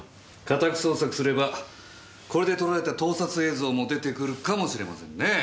家宅捜索すればこれで撮られた盗撮映像も出てくるかもしれませんねえ？